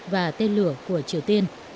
và tên lửa của triều tiên